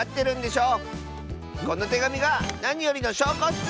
このてがみがなによりのしょうこッス！